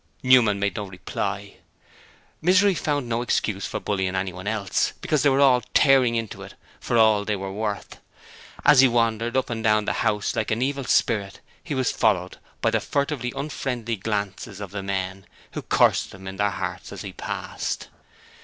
Newman made no reply. Misery found no excuse for bullying anyone else, because they were all tearing into it for all they were worth. As he wandered up and down the house like an evil spirit, he was followed by the furtively unfriendly glances of the men, who cursed him in their hearts as he passed.